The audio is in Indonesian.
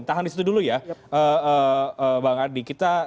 tahan di situ dulu ya bang adi